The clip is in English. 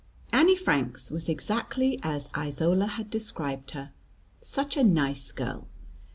Annie Franks was exactly as Isola had described her, "such a nice girl."